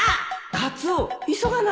カツオ急がないと